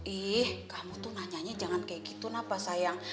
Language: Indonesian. ih kamu tuh nanyanya jangan kayak gitu napa sayang